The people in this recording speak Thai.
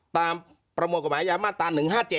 ตามประมวลกรมอาญามาตรฯ๑๕๗